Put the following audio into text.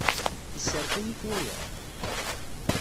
Yesserfay-ik waya?